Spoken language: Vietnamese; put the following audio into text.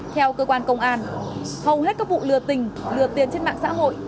theo cơ quan công an hầu hết các vụ lừa tình lừa tiền trên mạng xã hội